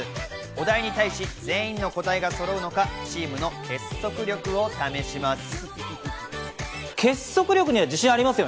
お題に対し全員の答えがそろうのかチームの結束力を試します。